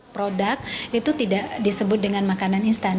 produk itu tidak disebut dengan makanan instan